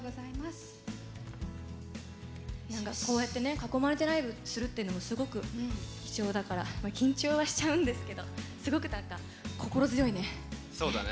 こうやって囲まれてライブするっていうのもすごく貴重だから緊張はしちゃうんですけどすごく心強いね。